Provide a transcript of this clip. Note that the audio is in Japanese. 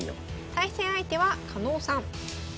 対戦相手は狩野さん。